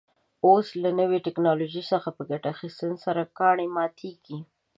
اوس له نوې تکنالوژۍ څخه په ګټې اخیستنې سره کاڼي ماتېږي.